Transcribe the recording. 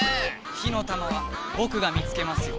火の玉はぼくが見つけますよ。